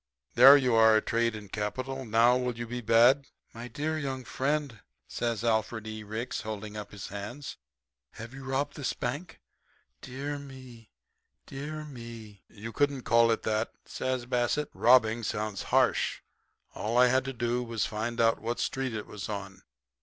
There you are, trade and capital. Now, will you be bad?' "'My young friend,' says Alfred E. Ricks, holding up his hands, 'have you robbed this bank? Dear me, dear me!' "'You couldn't call it that,' says Bassett. 'Robbing" sounds harsh. All I had to do was to find out what street it was on.